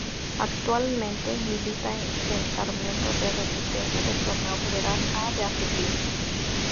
Actualmente milita en Sarmiento de Resistencia del Torneo Federal A de Argentina.